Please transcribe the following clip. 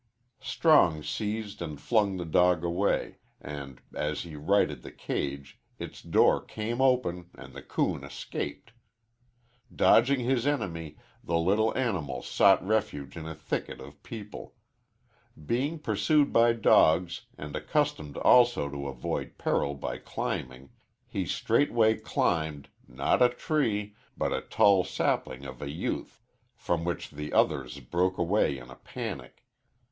Strong seized and flung the dog away, and as he righted the cage its door came open and the coon escaped. Dodging his enemy, the little animal sought refuge in a thicket of people. Being pursued by dogs, and accustomed also to avoid peril by climbing, he straightway climbed, not a tree, but a tall sapling of a youth, from which the others broke away in a panic.